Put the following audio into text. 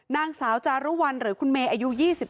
นางสาวจารุวัลหรือคุณเมย์อายุ๒๓